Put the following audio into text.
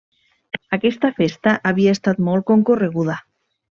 Aquesta festa havia estat molt concorreguda.